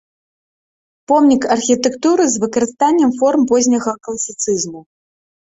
Помнік архітэктуры з выкарыстаннем форм позняга класіцызму.